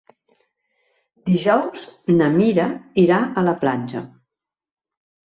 Dijous na Mira irà a la platja.